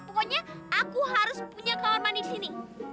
pokoknya aku harus punya kamar mandi disini